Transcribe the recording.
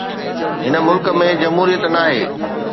هن ملڪ ۾ جمهوريت ناهي.